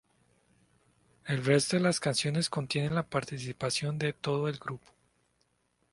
El resto de las canciones contienen la participación de todo el grupo.